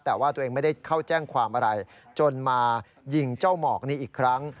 แต่ว่าตัวเองไม่ได้เข้าแจ้งความอะไรจนมายิงเจ้าหมอกนี้อีกครั้ง